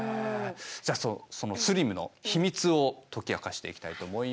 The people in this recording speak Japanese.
じゃあそのスリムの秘密を解き明かしていきたいと思います。